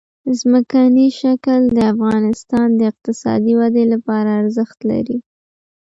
ځمکنی شکل د افغانستان د اقتصادي ودې لپاره ارزښت لري.